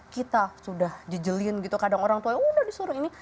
kita sudah jejelin gitu kadang orang tua udah disuruh ini